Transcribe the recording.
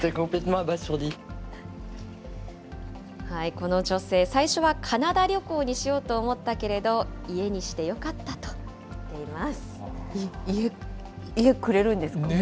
この女性、最初はカナダ旅行にしようと思ったけれど、家、くれるんですね。